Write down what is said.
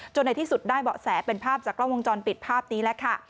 ในที่สุดได้เบาะแสเป็นภาพจากกล้องวงจรปิดภาพนี้แหละค่ะ